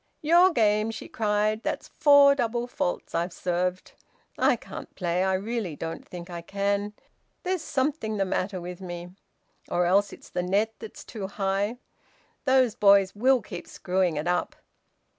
"Your game!" she cried. "That's four double faults I've served. I can't play! I really don't think I can. There's something the matter with me! Or else it's the net that's too high. Those boys will keep screwing it up!"